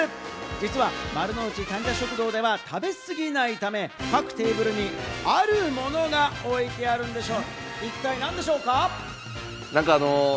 実は丸の内タニタ食堂では食べ過ぎないため、各テーブルにあるものが置いてあるんですが、一体何でしょうか？